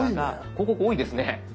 広告多いですね。